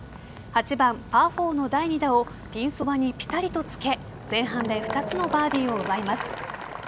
８番パー４の第２打をピンそばにピタリとつけ前半で２つのバーディーを奪います。